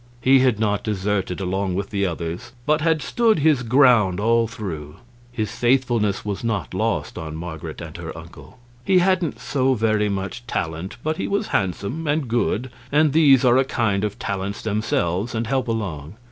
He had not deserted along with the others, but had stood his ground all through. His faithfulness was not lost on Marget and her uncle. He hadn't so very much talent, but he was handsome and good, and these are a kind of talents themselves and help along.